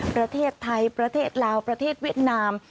ประเทศไทยประเทศลาวประเทศเวียดนาม